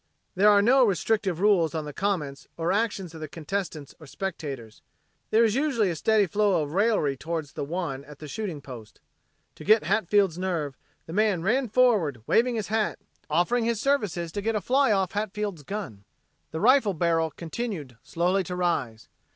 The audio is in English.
"' There are no restrictive rules on the comments or actions of contestants or spectators there is usually a steady flow of raillery toward the one at the shooting post. To get Hatfield's nerve, the man ran forward waving his hat, offering his services to get a fly off Hatfield's gun. The rifle barrel continued slowly to rise.